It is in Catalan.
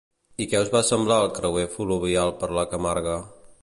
I què us va semblar el creuer fluvial per la Camarga?